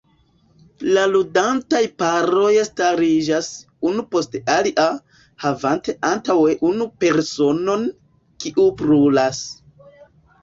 La ludantaj paroj stariĝas unu post alia, havante antaŭe unu personon, kiu "brulas".